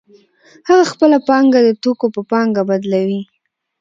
هغه خپله پانګه د توکو په پانګه بدلوي